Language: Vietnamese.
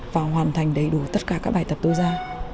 và hoàn thành đầy đủ tất cả các bài tập tôi ra